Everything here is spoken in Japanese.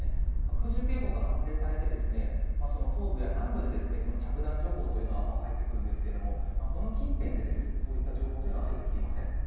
空襲警報が発令されて、東部や南部で着弾情報というのは入ってくるんですけれども、この近辺でそういった情報というのは入ってきていません。